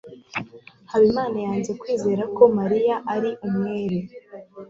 Habimana yanze kwizera ko Mariya ari umwere.